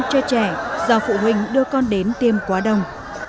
cho trẻ do phụ huynh đưa con đến tiêm quá đông